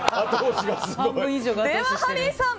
ではハリーさん